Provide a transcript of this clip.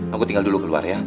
aku tinggal dulu keluar ya